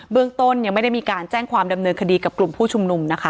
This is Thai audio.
เรื่องต้นยังไม่ได้มีการแจ้งความดำเนินคดีกับกลุ่มผู้ชุมนุมนะคะ